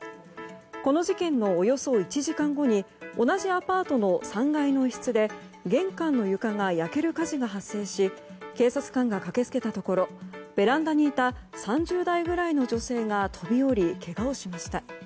この事件のおよそ１時間後に同じアパートの３階の一室で玄関の床が焼ける火事が発生し警察官が駆け付けたところベランダにいた３０代ぐらいの女性が飛び降りけがをしました。